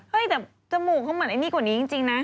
แต่จมูกเขาเหมือนไอ้นี่กว่านี้จริงนะ